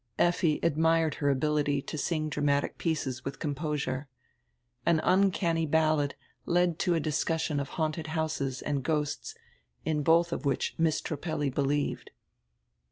Effi admired her ability to sing dramatic pieces with composure. An uncanny ballad led to a discussion of haunted houses and ghosts, in both of which Miss Trip pelli believed.